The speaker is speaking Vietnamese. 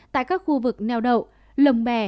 tại các khu vực neo đậu lồng bè